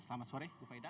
selamat sore bu faida